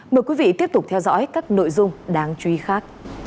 mời quý vị tiếp tục theo dõi các nội dung đáng chú ý khác